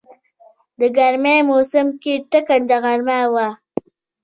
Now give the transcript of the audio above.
د ګرمی موسم کې ټکنده غرمه وه.